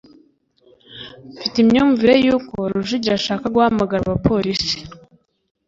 Mfite imyumvire yuko Rujugiro ashaka guhamagara abapolisi.